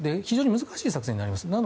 非常に難しい作戦になります。